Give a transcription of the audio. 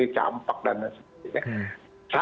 campak dan lain sebagainya